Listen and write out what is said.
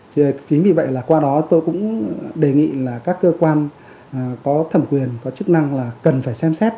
chứ vì vậy là qua đó tôi cũng đề nghị là các cơ quan có thẩm quyền có chức năng là cần phải xem xét